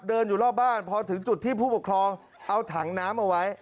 อยู่รอบบ้านพอถึงจุดที่ผู้ปกครองเอาถังน้ำเอาไว้